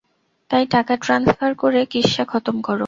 তাই টাকা ট্রান্সফার করে কিসসা খতম করো।